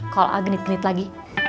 kalau aa genit genit lagi